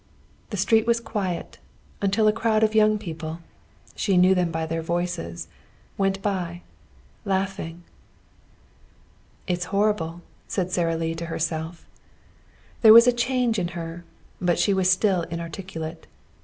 The street was quiet, until a crowd of young people she knew them by their voices went by, laughing. "It's horrible," said Sara Lee to herself. There was a change in her, but she was still inarticulate.